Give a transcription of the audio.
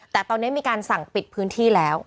แต่ตอนนี้มีการสั่งปิดพื้นที่แล้ว